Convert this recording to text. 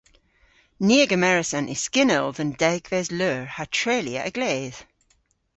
Ni a gemeras an yskynnell dhe'n degves leur ha treylya a-gledh.